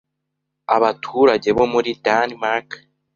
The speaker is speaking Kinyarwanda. Abaturage bo muri Denmark